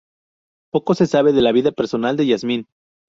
Poco se sabe de la vida personal de Yasmine.